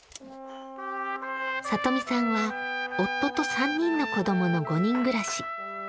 里見さんは夫と３人の子どもの５人暮らし。